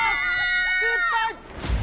失敗！